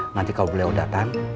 nanti kalau beliau datang